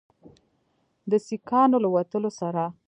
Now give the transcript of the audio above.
د سیکانو له وتلو سره